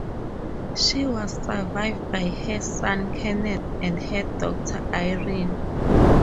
She was survived by her son Kenneth and her daughter Irene.